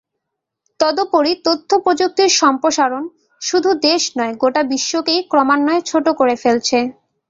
তদুপরি তথ্যপ্রযুক্তির সম্প্রসারণ শুধু দেশ নয়, গোটা বিশ্বকেই ক্রমান্বয়ে ছোট করে ফেলছে।